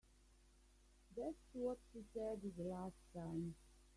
That's what she said the last time.